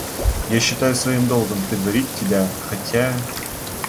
Я считаю своим долгом предварить тебя, хотя...